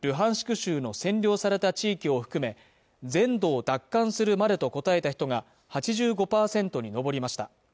州の占領された地域を含め全土を奪還するまでと答えた人が８５％に上りました